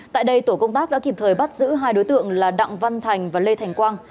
tại đây tổ công tác đã kịp thời bắt giữ hai đối tượng là đặng văn thành và lê thành quang